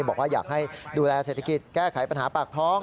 บอกว่าอยากให้ดูแลเศรษฐกิจแก้ไขปัญหาปากท้อง